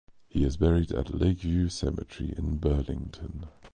He is buried at Lakeview Cemetery in Burlington.